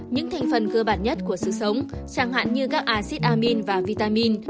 những thành phần cơ bản nhất của sự sống chẳng hạn như các acid amine và vitamin